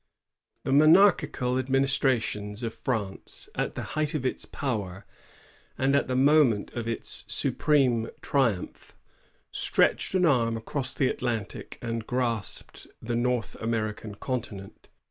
The monarchical administration of France, at the height of its power and at the moment of its supreme triumph, stretched an arm across the Atlantic and grasped the North American conti nent.